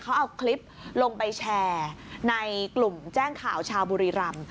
เขาเอาคลิปลงไปแชร์ในกลุ่มแจ้งข่าวชาวบุรีรำ